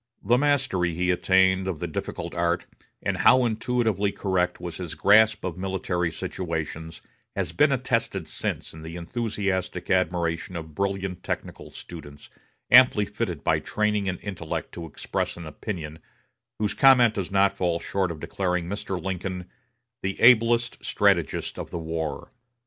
The mastery he attained of the difficult art, and how intuitively correct was his grasp of military situations, has been attested since in the enthusiastic admiration of brilliant technical students, amply fitted by training and intellect to express an opinion, whose comment does not fall short of declaring Mr. Lincoln "the ablest strategist of the war."